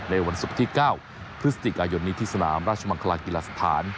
ในวัน๙พฤศจิกายนนี้ที่สนามราชมังคลาศกีฬาสถาน